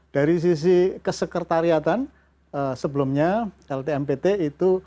dari sisi kesekretariatan sebelumnya ltmpt itu